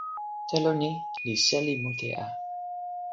telo ni li seli mute a.